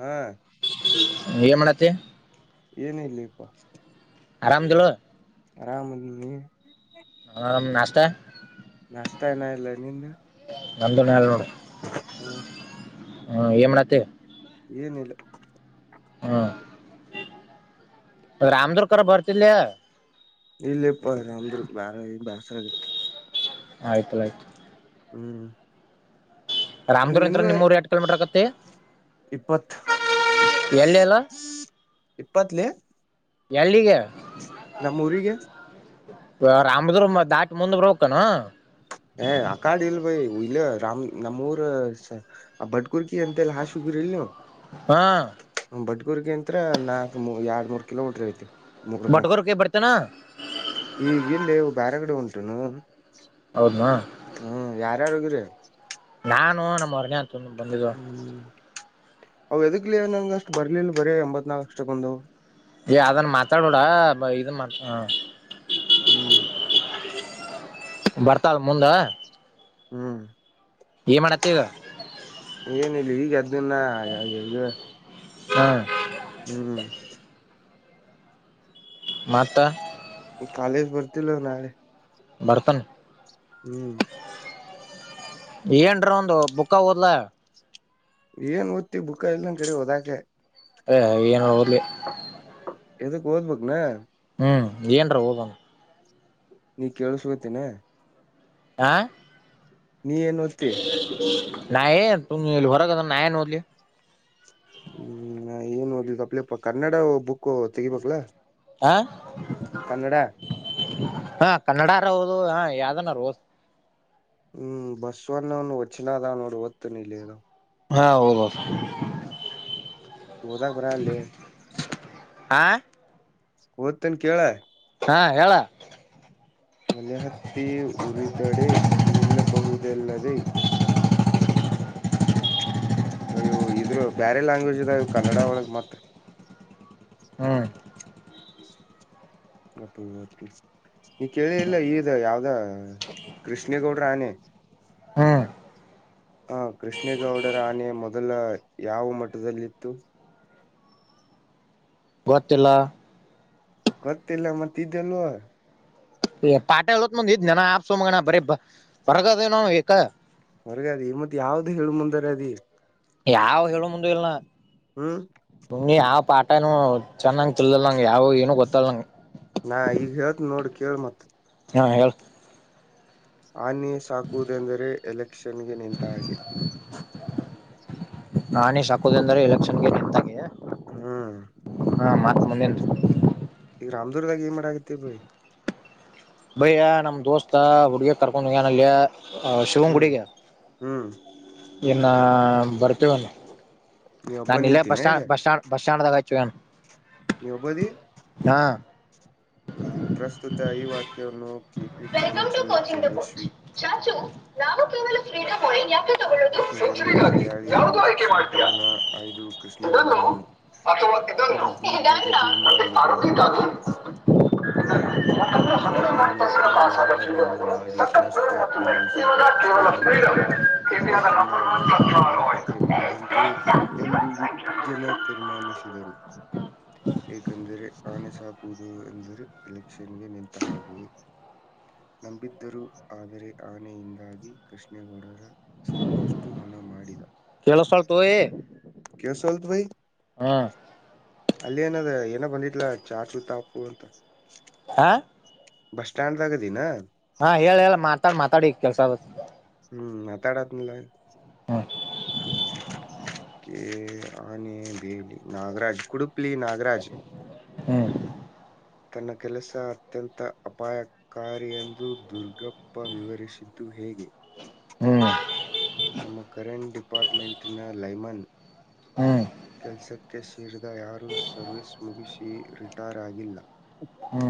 ಹ್ಮ [inaudible] ಏ ಮಾಡತ್ತ [inaudible] ಏನ ಇಲ್ಲಿಪ್ಪ [inaudible] ಆರಾಮದಲ [inaudible] ಆರಾಮಿ [inaudible] ಹ ನಾಸ್ತಾ [inaudible] ನಷ್ಟ ನ ಇಲ್ಲ ನಿಂದ [inaudible] ನಂದ ನೇ ನೋಡು [inaudible] ಹ್ಮ [inaudible] ಹ್ಮ ಎಮನ [inaudible] ಏನಿಲ್ಲ [inaudible] ಹ್ಮ ರಾಮದುೂರ್ಕರ್ ಬರ್ತಿಲ್ಲಯ ಇಲ್ಲಪ್ಪ ಅಮ್ರು ಬಾರ ಬಾಸರಗತ್ತು ಆಯ್ತು ಆಯ್ತು ಹ್ಮ್.. ಮತ್ತ ರಾಮದೂರ್ ಎಂ ನಿನ್ನು ನಿಮೂರು ಎಟ್ ಕೆಲ್ಮೀಟ್ರ ಆಕತ್ತ.. ಇಪ್ಪತ್ ಎಳ್ಳೆಲ್ಲ.. ಇಪ್ಪತ್ಲಿ. ಎಲ್ಲಿಗೆ.. ನಮ್ಮೂಊರಿಗೆ.. ಅಮದರು ದಾಟ ಮುಂದ ಬೋಗಕಾನ.. ಏ ಆ ಕಾಡ್ ಇಲ್ ಭೈ ಇಲ್ಲ ರಾಮ್ ನಮ್ಮೂಊರ ಭಟ್ ಕುುರ್ಕಿ ಎಂತಲ್ಲ ಹಾಶುಗರ್ ಇಲ್ ನೀವು.. ಹಾ ಬಡ್ಗುರ್ಗ ಅಂತ್ರ ನಾಕ್ ಮೂ ಎರಡ್ ಮೂರ್ ಕಿಲೋಮೀಟ್ರ ಐತಿ ಮುಗನ ಬಟ್ಗೂರ್ಕ ಬರ್ತೇನ ಈಗಿಲ್ಲೇ ಬೇರೆಗಡೆ ಉಂಟುನು.. ಹೌದ್ಮಾ.. ಹ್ಮ್ ಯಾರ ಯಾರು ಹೋಗಿರಿ. ನಾನು ನಮ್ಮ ಮರನೆ ಅಂತ ಬಂದಿದ್ದು.. ಅ ಎದಗ್ಲಿ ನನ್ಗೆ ಅಷ್ಟ್ ಬರ್ಲಿಲ್ಲ ಬರೀ ಎಂಬತ್ ನಾಲ್ಕ್ ಅಷ್ಟಕ್ಕೊಂದು.. ಏ ಅದನ್ನ ಮಾತಾಡಬಡ ಇದನ್ ಮಾ. ಹ್ಮ್. ಬರ್ತಾಲ್ ಮುಂದ. ಹ್ಮ್ ಏ ಮಾಡತ್ತ ಈಗ. ಏನ ಇಲ್ಲ ಈಗ ಅದ್ದನ್ನ ಈಗ ಹಾ ಹ್ಮ್ ಮಾತ ಕಾಜ ಭರ್ತಿ ಲ ನೆ.. ಬರ್ತಲ್.. ಏನ್ರ ಒಂದು ಬುಕ್ಕ ಹೋದ್ಲ. ಏನ್ ಹೊತ್ತಿ ಬುಕ್ಕ ಇಲ್ಲಂದ ಕಡೆ ಹೋದಾಕೆ.. ಅ ಏನು ಹೋಗರ್ಲಿ.. ಎದಕ್ ಓದ್ಬೇಕಕ್ನಾ.. ಹ್ಮ ಏನ್ರ ಹೋಗಮ್.. ನೀ ಕೇಳಸಗತೇನ.. ಆ. ನೀ ಏನ್ ಒತ್ತಿ. ನ ತು ಹೊರ ಕದ ನಏನು ಮೋದಲಿ.. ಹ್ಮ್ ಏನು ತಪ್ಲಪ ಕನ್ನಡ ಬುಕ್ ತೆಗಿಬೇಕಕ್ಲಾ.. ಹ ಕನ್ನಡ.. ಹಾ ಕನ್ನಡಾರ ಹೌದು ಹಾ ಯಾವ್ದನ.. ಹ್ಮ್ ಬಸ್ವವನ್ನುವನ್ನು ವಚ್ನದ ನೋಡಿ ಹೊತ್ತು ನೀಲ್ಲರ.. [inaudible] ಓದಕ್ ಬರಲ್ಲೇ ಅಲ್ಲ. ಆ ಪತ್ತನ್ ಕೆಲ. ಹಾ ಹೇಳ. ಒಲೆ ಹತ್ತಿ ಉರಿದಡೆ ನಿಲ್ಲಬಹುದು. ಇಲ್ಲದೆ. ಇದರಲ್ಲಿ ಬೇರೆ ಲ್ಯಾಂಗ್ವೇಜ್ ಇದೆ ಕನ್ನಡ ಒಳಗ್ ಮತ್ತೆ.. ಹ್ಮ್. ಕೇಳೆ ಇಲ್ಲ ಇದು ಯಾವುದು. ಕೃಷ್ಣಗೌಡ ಆನೆ ಹ್ಮ್ಮ್. ಹ ಕೃಷ್ಣೇಗೌಡರ ಆನೆ ಮೊದಲು ಯಾವ ಮಠದಲ್ಲಿತ್ತು ಗೊತ್ತಿಲ್ಲ ಗೊತ್ತಿಲ್ಲ ಮತ್ತೆ ಇದೆಲ್ಲೋ ಪಾಟೀಲ್ ಅವತ್ತು ಇನ್ನೇನೋ ಆಫ್ ಮಗನ ಬರಿ ಹೊರಗೆ ಇದೀವಿ ನಾವು ಹೊರಗೆ ಇದಿಯಾ ಮತ್ತೆ ಯಾವುದು ಹೇಳಬೇಕು ಅಂತ ಇದ್ದೀಯ ಯಾವುದು ಹೇಳೋ ಮುಂದೆ ಇಲ್ಲ ಹ್ಮ ಯಾವ್ ಪಾಠಾನೂ ಚೆನ್ನಾಗಿ ತಿಳಿದಿಲ್ಲ ನನಗೆ ಯಾವುದು ಏನು ಗೊತ್ತಿಲ್ಲ ನಂಗೆ ನಾನು ಈಗ ಹೇಳಿದ್ದೀನ್ ನೋಡು ಕೇಳು ಮತ್ತೆ ಹಾ ಹೇಳ. ಆನೆ ಸಾಕುವುದೆಂದರೆ ಎಲೆಕ್ಷನ್ಗೆ ನಿಂತ ಹಾಗೆ. ಆನೆ ಸಾಕುವುದೆಂದರೇನು ಎಲೆಕ್ಷನ್ಗೆ ನಿಂತಾಗೆ. ಹ್ಮ್ ಮತ್ತೆ ಮುಂದಿಂದು ರಾಮದುರ್ಗದಲ್ಲಿ ಏನು ಮಾಡ್ತಿದ್ದೀರಾ ನನ್ನ ದೋಸ್ತ ಅವರ ಹುಡುಗಿನ ಕರ್ಕೊಂಡು ಶಿವನ ದೇವಸ್ಥಾನಕ್ಕೆ ಹ್ಮ್ ಹೋಗಿದ್ದಾನೆ ಹ್ಮ್ ಏನ್ನ ಬರ್ತೇವನು ನೀ ಒಬ್ಬ ನಾನನ್ ನಲ್ಲೆ ಬಸ್ ನಿಂತಿನ ಈಗ ಬಸ್ ಸ್ಟ್ಯಾಂಡ್ ಬಸ್ ಸ್ಟ್ಯಾಂಡ್ ಹಾಕಿವೆನು ನೀ ಒಬ್ಬದಿ ಹ್ಮ್ ಪ್ರಸ್ತುತ ಈ ವಾಕ್ಯವನ್ನು K P welcome to Purnachandra coaching the coach Tejasvi ಚಾಚು ನಾವು ತಿನ್ನಲು ಫ್ರೀಡಂ ಆಯಿಲ್ ಕಿರುಗೂರಿನ ಗಯ್ಯಾಳಿಗಳು ಮಾಡ್ತೀಯಾ ಸಂಕಲನ ಐದು ಕೃಷ್ಣಗೌಡ ಇದನ್ನು ನಾನು ಅಥವಾ ಇದನ್ನು ಬದ್ದೀರ್ಘ ಗದ್ದೆಯಿಂದ ಮತ್ತೆ ಆಯ್ದುಕೊಳ್ಳಲಾಗಿದೆ ಆರೋಗ್ಯಕ್ಕಾಗಿ ಗುಳ್ಳೂರು ಯಾಕಂದ್ರೆ ಮಠದಲ್ಲಿದ್ದ ಹನ್ನೆರಡು ಆನೆಯನ್ನು ಎಲ್ಲ ವ್ಯವಹಾರವನ್ನು ಮಾಡಿ ನಷ್ಟ ಅನುಭವಿಸಿದ್ದ ಕೃಷ್ಣೇಗೌಡ [unintelligible] ಕರೆ ನಂಬರ್ ತಂದಾಗ ಒನ್ ಅವನ ಕಥೆ ಸರ್ಕಾರ ಮುಗಿದಂತೆ ಎಂದು ಜನ ತೀರ್ಮಾನಿಸಿದರು ಯಾಕೆಂದರೆ ಆನೆ ಅವುಗಳು ಎಂದರೆ ಎಲೆಕ್ಷನ್ಗೆ ನಿಂತ ಹಾಗೆ ನಂಬಿದ್ದರೂ ಆದರೆ ಆನೆಯಿಂದಾಗಿ ಕೃಷ್ಣೇಗೌಡರ ಸಾಕಷ್ಟು ಹಣ ಮಾಡಿದ ಕೇಳಿಸ್ತಳ್ತು ಕೇಸ್ ಆಗುತ್ತಾ ಭೈ ಹಾ ಅಲ್ಲಿ ಏನದ ಏನ ಬಂದಿದಲ ಚಾ ಚೂತ ಉಪ್ಪು ಅಂತ ಆ ಬಸ್ಟಾಂಡ್ ನಾಗ ಇದಿನ ಹಾ ಹೇಳ ಹೇಳ ಮಾತಾಡ್ ಮಾತಾಡಿ ಕೇಳುತ್ತಿದೆ ಹ್ಮ್ ಮಾತಾಡಲ್ಲ ಹ್ಮ್ ಕೆ ಅ ದಲಿ ನಾಗರಾಜ್ ಕುಡುಪಲಿ ನಾಗರಾಜ್ ಹ್ಮ್ ತನ್ನ ಕೆಲಸ ಅತ್ಯಂತ ಅಪಾಯಕಾರಿ ಎಂದು ದುರ್ಗಪ್ಪ ವಿವರಿಸಿದ್ದು ಹೇಗೆ ಹ್ಮ್ ನಮ್ಮ ಕರೆಂಟ್ ಡಿಪಾರ್ಟ್ಮೆಂಟ್ ನ ಲೈಮನ್ ಹ್ಮ್ ಕೆಲಸಕ್ಕೆ ಸೇರಿದ ಯಾರೂ ಸರ್ವಿಸ್ ಮುಗಿಸಿ ರಿಟೈರ್ ಆಗಿಲ್ಲ ಹ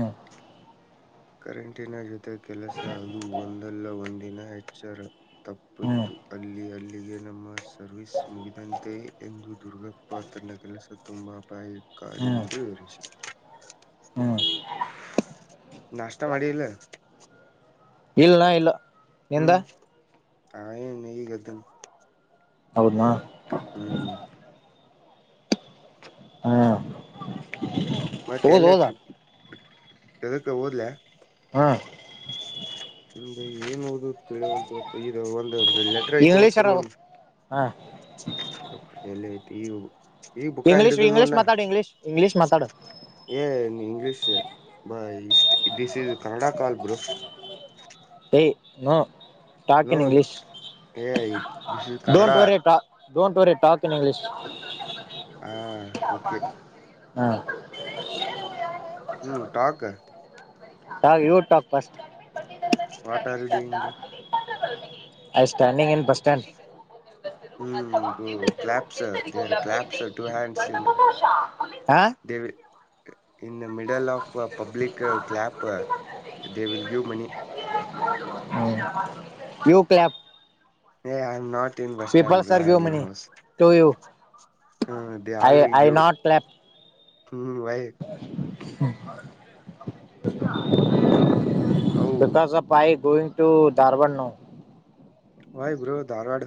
ಕರೆಂಟಿನ ಜೊತೆ ಕೆಲಸ ಅದು ಒಂದಲ್ಲ ಒಂದಿನ ಹೆಚ್ಚರ ಹ್ಮ್ ತಪ್ಪಿತ್ತು. ಅಲ್ಲಿ ಅಲ್ಲಿಗೆ ನಮ್ಮ ಸರ್ವಿಸ್ ಮುಗಿದಂತೆ ಎಂದು ದುರ್ಗಪ್ಪ ತನ್ನ ಕೆಲಸತ್ತು. ಂಬಪಾಯ ಕಡಿ ಹ್ಮ್ ಬಂದು ವಿವರಿಸಿ ಹ್ಮ್ ನಾಷ್ಟ ಮಾಡಿ ಇಲ್ಲ ಇಲ್ಲಲ್ಲ ಇಲ್ಲ ನಿಂದ ಹ್ಮ್ ಆಯ ನೀ ಗದನ್ ಹೌದಾ ಹ್ಮ್ ಹ್ಮ ಮತ್ತೆ ಎಲ್ಲ ಟ್ರಿಪ್ ಇದಕ್ಕೆ ಓದ್ಲ ಹ್ಮ್ ಹ ಏನ್ ಹಓದು ತಿಳಿಲ್ದು ಈ ಒಂದ್ ಲೆಟರ್ ಇಂಗ್ಲೀಷರ ಹಾ ಅಲ್ಲತಿ ಇ ಈಗ ಬುಕ್ಕ ಇಂಗ್ಲೀಷ್ ಹಿಡಿದಿನ ಇಂಗ್ಲೀಷ್ ನೋಡನಾ ಮಾತಾಡು ಇಂಗ್ಲೀಷ್ ಇಂಗ್ಲೀಷ್ ಮಾತಾಡು ಏ ಇಂಗ್ಲೀಷ್ ಬ this is Kannada call bro hey no talk in no English ಏ this is Kannada don't worry don't very talk in English ಹಾ okay hmm hmm talk you talk first what are you doing hi standing in bus stand ಅಥವಾ ಹ್ಮ್ ನಿವೃಿತರು claps ಎಲ್ಲರಿಗೂ there claps ಲಭ್ಯವಿದೆ to ಈ hands ಸುವಣ್ರ in ಅವಕಾಶ ಹ ಹ they in middle of public clap they will give money hmm you clap hey I am not in bus stand peoples bro are I give am in money house to you they I all will I give not clap hmm why how because ಪಾಯ going to Dharwad now why bro Dharwad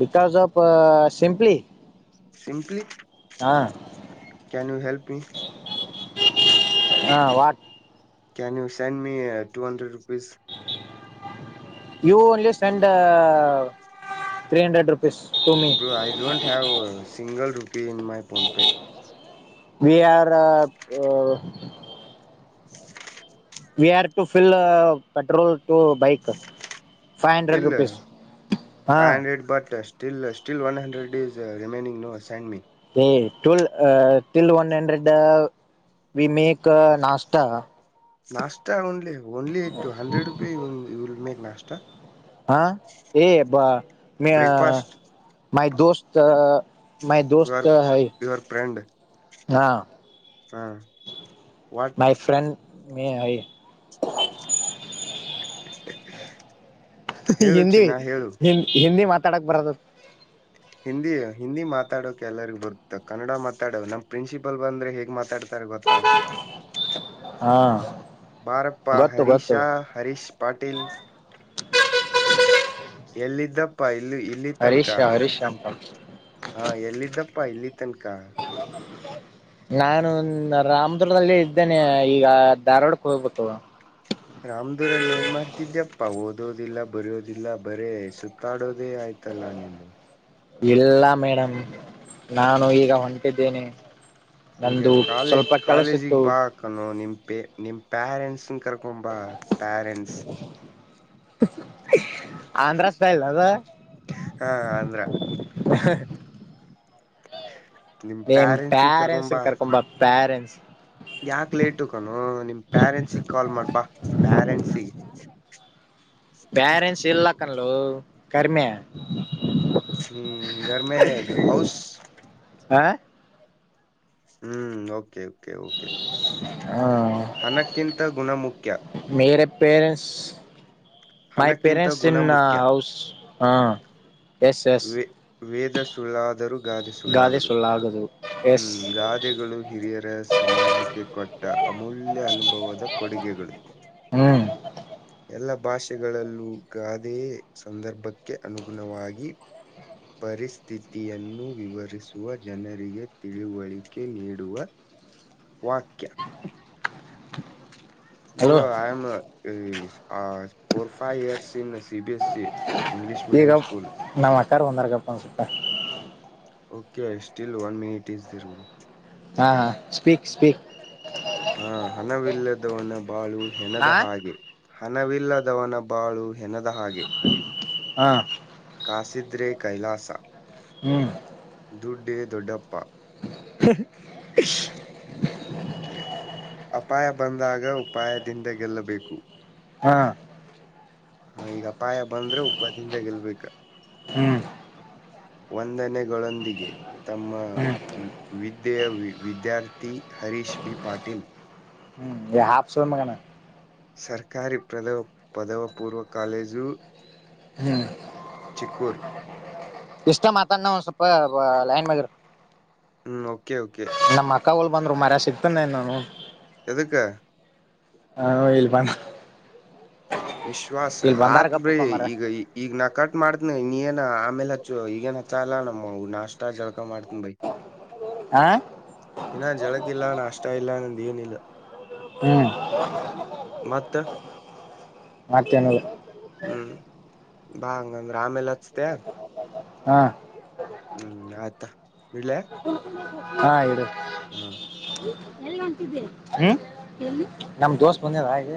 because of simply simply can you help me ಹಾ what can you send me two hundred rupees you only send three hundred rupees to me bro I don't have single rupee in my PhonePe we are we are to ಫಲ್ petrol to bike fill five hundred but still still one hundred is remaining no send me ಟೀಲ್ಲ one hundred we make nashta nashta only only two hundred rupee you will make nashta ah ಏ ಬ ಮ ಮೈ ದೋಸ್ತ್ ಮೈ ದೋಸ್ತ ಹ ಹಾ ಹಾ what ಮೆ high [inaudible] ಹೇಳು ಹಿಂದಿ ಚಿನ್ನ ಹೇಳು ಹಿಂದಿ ಮಾತಾಡಕ್ ಬರದು ಹಿಂದಿ ಹಿಂದಿ ಮಾತಾಡೋಕ ಎಲ್ಲರಿಗ ಬರುತ್ತ ಕನ್ನಡ ಮಾತಾಡ ನಮ್ ಪ್ರಿನ್ಸಿಪಲ್ ಬಂದ್ರೆ ಹೇಗ್ ಮಾತಾಡ್ ಗೊತ್ತಾ ಹಾ ಬಾರಪ್ಪ ಗೊತ್ತು ಗೊತ್ತು ಹರೀಶಾ ಹರೀಶ್ ಪಾಟೀಲ್ ಎಲ್ಲಿದ್ದಪ್ಪ ಇಲ್ಲಿ ಇಲ್ಲಿ ತನ್ಕ ಹರೀಶ್ ಹರೀಶ್ ಅಂತ ಹಾ ಎಲ್ಲಿದ್ದಪ್ಪ ಪ ಇಲ್ಲಿ ತನಕ [inaudible] ನಾನು ರಾಮದುರ್ದಲ್ಲೇ ಇದ್ದೇನೆ ಈಗ ಧಾರವಾಡಕ್ಕೆ ಹೋಗ್ಬೇಕು ರಾಮ್ದೂರಲ್ಲಿ ಏನ್ ಮಾಡ್ತಿದ್ಯಪ್ಪಾ ಓದೋದಿಲ್ಲ ಬರೋದಿಲ್ಲ ಬರೇ ಸುತ್ತಾಡೋದೇ ಆಯ್ತ ತಲ್ಲ ನಿಂದು ಇಲ್ಲ ಮೇಡಮ್ ನಾನು ಈಗ ಹೊಂಟಿದ್ದೇನೆ ಈಗ ನಂದು ಕಾಲೇಜ ಸ್ವಲ್ಪ ಕೆಲಸಿತ್ತು ಕಾಲೇಜಿಗೆ ಬಾ ಅಕಾನೋ ನಿಮ್ ನಿಮ್ ಪ್ಯಾರೆಂಟ್ಸ್ನ್ ಕರ್ಕೊಂಬ ಪ್ಯಾರೆಂಟ್ಸ್ ಆಂಧ್ರ ಸ್ಟೈಲ್ ಅದು ಹಾ ಅಂದ್ರ [unintelligible] ನಿಮ್ ಪ್ಯಾರೆಂಟ್ಸಿಗ ಪ್ಯಾರೆಂಟ್ಸ್ ಕರಕೂಂಬಾ ಕರ್ಕೊಂಬ ಪ್ಯಾರೆಂಟ್ಸ್ ಯಾಕ ಲೇಟು ಕಣೂ ನಿಮ್ ಪ್ಯಾರೆಂಟ್ಸಗ್ ಕಾಲ್ ಮಾಡ್ಬಾ ಪ್ಯರೆನ್ಸಿ ಪ್ಯರೆಂಟ್ಸ್ ಇಲ್ಲ ಕನ್ಲೋ ಕರಿಮೆ ಹ್ಮ್ ಗರ್ ಮೆ ಹೌಸ್ ಹ ಹ್ಮ್ ಓಕೆ ಓಕೆ ಹ ಹಣಕ್ಕಿಂತ ಗುಣ ಮುಖ್ ಮೇರೆ ಪೇರೆಂಟ್ಸ್ ಮೈ ಹಣಕ್ಕಿಂತ ಪೇರೆಂಟ್ಸ್ ಗುಣ ಇನ್ ಮುಖ್ಯ ಹೌಸ್ ಹಾ ವೆ ವೇದ ಸುಳ್ಳಾದರೂ ಗಾದೆ ಸುಳ್ಳಾಗದು ಹ್ಮ್ ಗಾದೆಗಳು ಹಿರಿಯರ ಸಮಾಜಕ್ಕೆ ಕೊಟ್ ಟ ಅಮೂಲ್ಯ ಅನುಭವದ ಕೊಡುಗೆಗಳು ಹ್ಮ್ ಎಲ್ಲ ಭಾಷೆಗಳಲ್ಲೂ ಗಾದೆಯೆ ಸಂದರ್ಭಕ್ಕೆ ಅನುಗುಣವಾಗಿ ಪರಿಸ್ಥಿತಿಯನ್ನು ವಿವರಿಸುವ ಜನರಿಗೆ ತಿಳುವಳಿಕೆ ನೀಡುವ. ವಾಕ್ಯ hello bro um four five years in C B S C English medium school ತರ್ ಒನರ್ಗಪ್ಪ ಅನ್ಸುತ್ತೆ okay I still one minute is [unintelligible] ಹಾ ಹಾ ಸ್ಪೀಕ್ ಸ್ಪೀಕ್ ಆ ಹಣವಿಲ್ಲದವನ ಬಾಳು ಹೆಣದ ಆ ಹಾಗೆ ಹಣವಿಲ್ಲದವನ ಬಾಳು ಹೆನದ ಹಾಗೆ ಹಾ ಕಾಸಿದ್ರೆ ಕೈಲಾಸ ಹ್ಮ್ ದುಡ್ಡೇ ದೊಡ್ಡಪ್ಪ [inaudible] ಅಪಾಯ ಬಂದಾಗ ಉಪಾಯದಿಂದ ಗೆಲ್ಲಬೇಕು ಹಾ ಹಾ ಈಗ ಅಪಾಯ ಬಂದ್ರೆ ಉಪ್ಪದಿಂದ ಗೆಲ್ಬೇಕ [inaudible] ವಂದನೆಗಳೊಂದಿಗೆ ತಮ್ಮ ಹ್ಮ್ ವಿದ್ಯೆಯ ವಿದ್ಯಾರ್ಥಿ ಹರೀಷ್ ಬಿ ಪಾಟೀಲ್ ಗ್ಯಾಪ್ಸು ಮಗಾನೆ ಸರ್ಕಾರಿ ಪ್ರದವ್ ಪದವ ಪೂರ್ವ ಕಾಲೇಜು ಹ್ಮ ಚಿಕ್ಕೂರ್ ಇಷ್ಟ ಮಾತಾನ ಒಂದ್ ಸ್ವಲ್ಪ ಲೈನ್ ನಾಗೆ ಇರು ಹ್ಮ್ ಓಕೆ ಓಕೆ ಕವಲ್ ಬಂದರು ಮರೆಯ ಸಿಗ್ತನೆ ನಾನು ಯಾದ್ಕ ಹಾ [unintelligible] ವಿಶ್ವಾಸ ಆತ್ ಬ್ರೀ ಗಪ್ಪಪ್ಪ ಮರ ಈಗ ಈಗ ನಾ ಕಟ್ ಮಾಡ್ತನ ನೀನ್ ಆಮೇಲೆ ಹಚ್ಚು ಈಗೇನ್ ಹಚ ಅಲಾ ನಮ್ಮ್ ನಾಷ್ಟ ಜಳಕ ಮಾಡ್ತನ್ ಬೈ ಹ ಇನ್ನ ಜಳಕಿಲ್ಲಣ ಅಷ್ಟ ಇಲ್ಲ ನಂದ ಏನಿಲ್ಲ ಹ್ಮ್ ಮತ್ತ ಮತೇನಿಲ್ಲ ಹ್ಮ್ಬಬಾ ಹಾಗಂದ್ರ ಆಮೇಲೆ ಹೆಚ್ಚತಿಯಾ ಹಾ ಹ್ಮ್ ಆಯ್ತ್ ಇಡ್ಲಾ ಹಾ ಇರು ಹಾಂ ಎಲ್ ಹೊಂಟಿದ್ದಿ ಹ್ಮ ಎಲ್ಲಿ ನಮ್ಮ ದೋಸ್ತ್ ಬಂದಿನಾ ಇಲ್ಲೇ